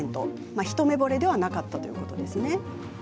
一目ぼれじゃなかったってことですね。